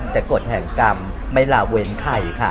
แต่กฎแห่งกรรมไม่ลาเว้นใครค่ะ